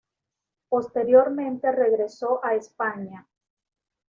Posteriormente regresó a España.